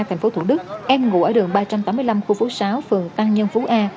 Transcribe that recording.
thành phố thủ đức em ngủ ở đường ba trăm tám mươi năm khu phố sáu phường tăng nhân phú a